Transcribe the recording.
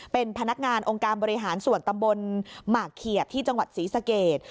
เป็นพนักงานองค์การบริหารส่วนตำบลหมากเขียบที่จังหวัดศรีสเกต